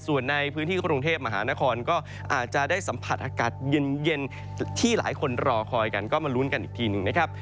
ส่วนในพื้นที่กรุงเทพมหานครก็อาจจะได้สัมผัสอากาศเย็นที่หลายคนรอคอยกันก็มาลุ้นกันอีกทีหนึ่งนะครับ